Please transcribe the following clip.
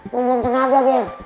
bumbung tenaga geng